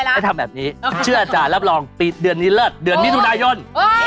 ให้ทำแบบนี้เชื่ออาจารย์รับรองปิดเดือนนี้เลิศเดือนมิถุนายน